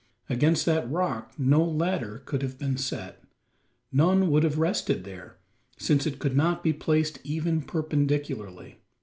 Against that rock no ladder could have been set; none would have rested there since it could not be placed even perpendicularly.